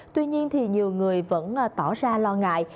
tuy nhiên thì nhiều người vẫn tỏ ra lo ngại